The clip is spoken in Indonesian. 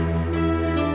ya tapi aku mau